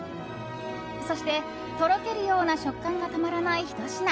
そして、とろけるような食感がたまらないひと品。